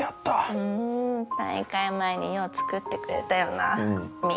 うん大会前によう作ってくれたよなうん